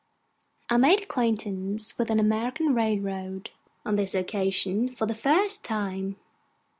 I made acquaintance with an American railroad, on this occasion, for the first time.